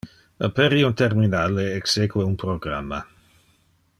Aperi un terminal e exeque un programma.